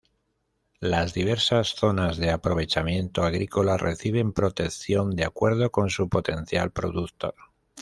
Las diversas zonas de aprovechamiento agrícola reciben protección de acuerdo con su potencial productor.